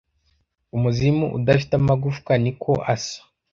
umuzimu udafite amagufwa niko asa